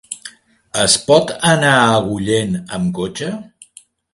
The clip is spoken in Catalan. Es pot anar a Agullent amb cotxe?